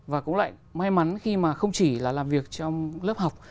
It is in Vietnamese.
và cũng lại may mắn khi mà không chỉ là làm việc trong lớp học